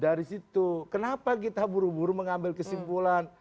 dari situ kenapa kita buru buru mengambil kesimpulan